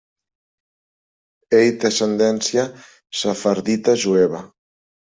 Ell té ascendència sefardita jueva.